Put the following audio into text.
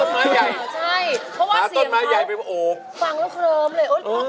มาต้นไม้ใหญ่เป็นโอเค